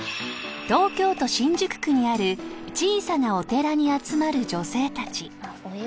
［東京都新宿区にある小さなお寺に集まる女性たち］